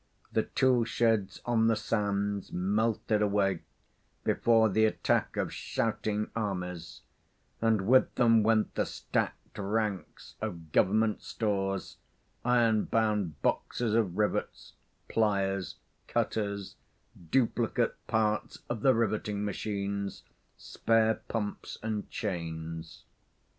The tool sheds on the sands melted away before the attack of shouting armies, and with them went the stacked ranks of Government stores, iron bound boxes of rivets, pliers, cutters, duplicate parts of the riveting machines, spare pumps and chains.